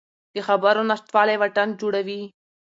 د خبرو نشتوالی واټن جوړوي